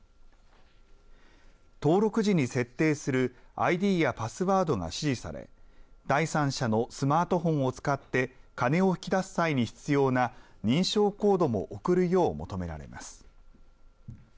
登録時に設定するＩＤやパスワードが指示され第３者のスマートフォンを使って金を引き出す際に必要な認証コードも送るよう求められます。